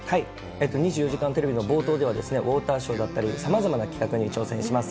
２４時間テレビの冒頭では、ウォーターショーだったり、さまざまな企画に挑戦します。